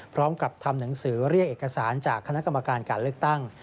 พร้อมกับทำหนังสือเรียกเอกสารจากคณะกรรมการการเลือกตั้ง